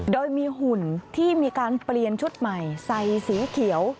โดยมีหุ่นที่มีการเปลี่ยนชุดใหม่ใส่สีเขียว